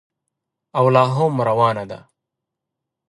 او لا هم روانه ده.